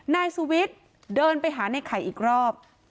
นายสุวิชเดินไปหานายไข่อีกรอบ